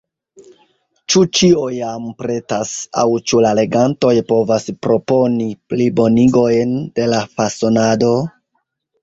Ĉu ĉio jam pretas, aŭ ĉu la legantoj povas proponi plibonigojn de la fasonado?